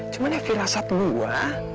cuman ya firasat gue